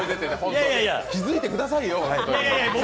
気づいてくださいよ、ホントに。